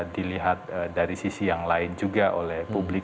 dilihat dari sisi yang lain juga oleh publik